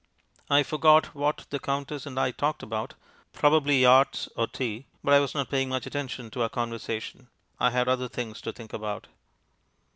I forgot what the Countess and I talked about; probably yachts, or tea; but I was not paying much attention to our conversation. I had other things to think about.